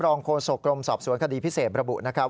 โฆษกรมสอบสวนคดีพิเศษระบุนะครับ